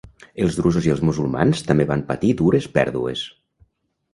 Els drusos i els musulmans també van patir dures pèrdues.